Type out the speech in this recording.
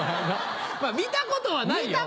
見たことはないよ。